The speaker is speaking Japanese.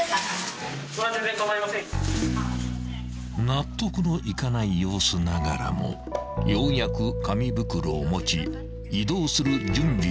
［納得のいかない様子ながらもようやく紙袋を持ち移動する準備を始めた女］